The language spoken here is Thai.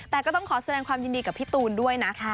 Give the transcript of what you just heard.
แต่ก็ต้องขอแสดงความยินดีกับพี่ตูนด้วยนะ